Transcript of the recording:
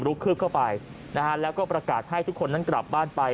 คืบเข้าไปนะฮะแล้วก็ประกาศให้ทุกคนนั้นกลับบ้านไป